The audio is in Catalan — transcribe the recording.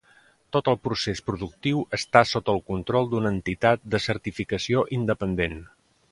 Tot el procés productiu està sota el control d'una entitat de certificació independent.